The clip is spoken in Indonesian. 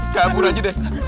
campur aja deh